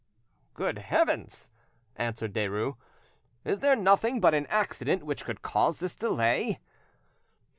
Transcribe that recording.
"Good heavens!" answered Derues, "is there nothing but an accident which could cause this delay?